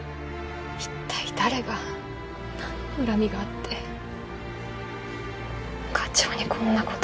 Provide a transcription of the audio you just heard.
一体誰が何の恨みがあって課長にこんなこと。